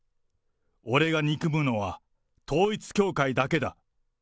俺が憎むのは、統一教会だけだ。